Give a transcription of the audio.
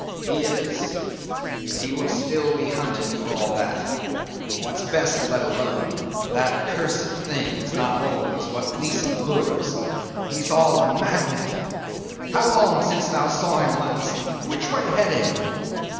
"He is. But he will still be hunted, for all that. What is best let alone, that accursed thing is not always what least allures. He's all a magnet! How long since thou saw'st him last? Which way heading?"